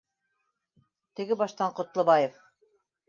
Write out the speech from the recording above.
Теғе баштан Ҡотлобаев: